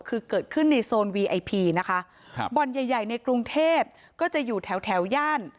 คือเกิดขึ้นในโซนวีไอพีนะคะครับบ่อนใหญ่ใหญ่ในกรุงเทพก็จะอยู่แถวแถวย่าน